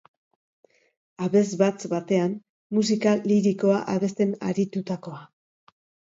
Abesbatz batean musika lirikoa abesten aritutakoa.